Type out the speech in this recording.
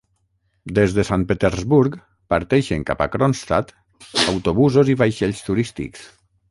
Des de Sant Petersburg parteixen cap a Kronstadt autobusos i vaixells turístics.